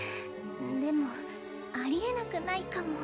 でもありえなくないかも。